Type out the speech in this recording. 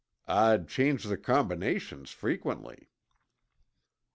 "I'd change the combination frequently."